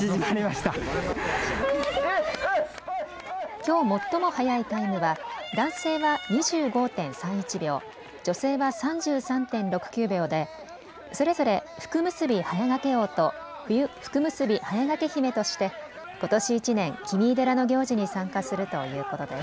きょう最も速いタイムは男性は２５．３１秒、女性は３３．６９秒でそれぞれ福結び速駈王と福結び速駈姫としてことし１年、紀三井寺の行事に参加するということです。